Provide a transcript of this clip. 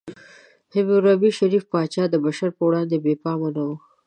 حموربي، شریف پاچا، د بشر په وړاندې بې پامه نه و.